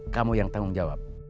kamu yang tanggung jawab